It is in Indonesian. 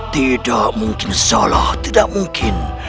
tidak mungkin salah tidak mungkin